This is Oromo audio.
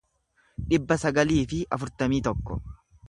dhibba sagalii fi afurtamii tokko